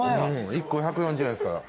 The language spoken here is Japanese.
１個１４０円っすから。